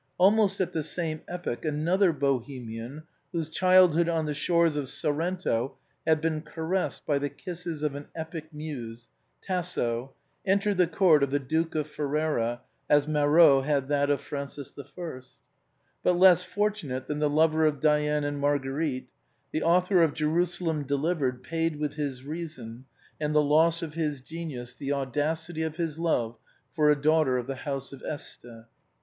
Almost at the same epoch another Bohemian, whose childhood on the shores of Sorrento had been caressed by the kisses of an epic muse, Tasso, entered the court of the Duke of Ferrara as Marot had that of Francis L, but less fortunate than the lover of Diane and Marguerite, the author of " Jerusalem De livered " paid with his reason and the loss of his genius the audacity of his love for a daughter of the house of Este.